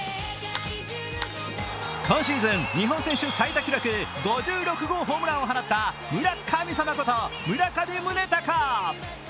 今シーズン、日本選手最多記録５６号ホームランを放った村神様こと村上宗隆。